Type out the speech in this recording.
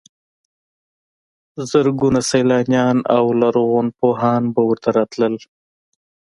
زرګونه سیلانیان او لرغونپوهان به ورته راتلل.